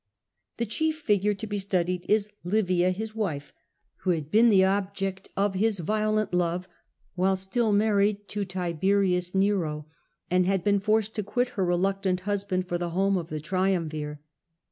The chief figure to be studied is Livia, his wife, who had been the object of his violent love while still married to Tiberius Nero, and had been forced to quit her reluctant husband for the home of the triumvir.